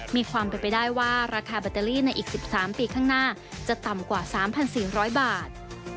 มีความเป็นไปได้ว่าราคาแบตเตอรี่ในอีก๑๓ปีข้างหน้าจะต่ำกว่า๓๔๐๐บาท